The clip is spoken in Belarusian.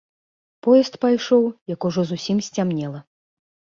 Поезд пайшоў, як ужо зусім сцямнела.